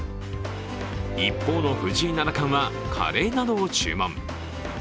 一方の藤井七冠はカレーなどを注文。